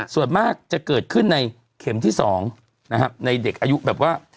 ส่วนมากจะเกิดขึ้นในเข็มที่๒นะครับในเด็กอายุแบบว่า